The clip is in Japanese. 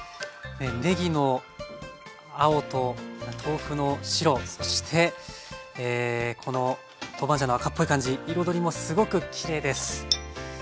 ねぎの青と豆腐の白そしてこのトーバンジャンの赤っぽい感じ彩りもすごくきれいです。